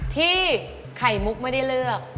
ที่ไข่มุกไม่ได้เลือก